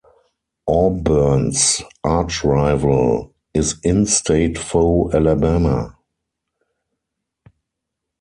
Auburn's archrival is in-state foe Alabama.